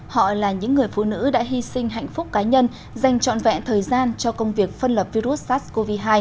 họ là những người phụ nữ đã hy sinh hạnh phúc cá nhân dành trọn vẹn thời gian cho công việc phân lập virus sars cov hai